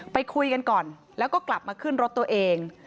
ไปคุยกันก่อนแล้วก็กลับมาขึ้นรถตัวเอง